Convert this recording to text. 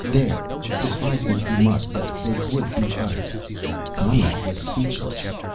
There, despise me if you must, but they would be uttered!" Conrad was speechless.